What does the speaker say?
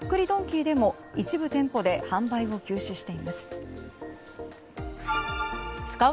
ドンキーでも一部店舗で販売を休止しています。